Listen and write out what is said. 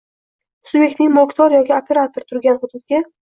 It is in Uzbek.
subyektning mulkdor va yoki operator turgan hududga